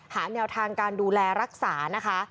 หาแนวทางการดูแลรักษานะคะ